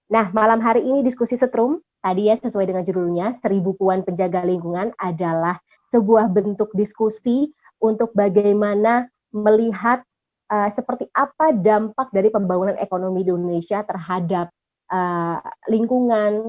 nah malam hari ini diskusi setrum tadi ya sesuai dengan judulnya seribu puan penjaga lingkungan adalah sebuah bentuk diskusi untuk bagaimana melihat seperti apa dampak dari pembangunan ekonomi di indonesia terhadap lingkungan